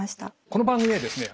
この番組はですね